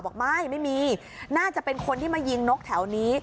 บอกไม่ไม่มีน่าจะเป็นคนที่มายิงนกแถวนี้